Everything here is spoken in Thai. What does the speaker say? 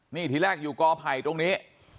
นี่ทีแรกอยู่กอไผ่ตรงนี้